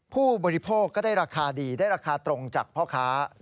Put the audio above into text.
ผู้บริโภคก็ได้ราคาดีได้ราคาตรงจากพ่อค้า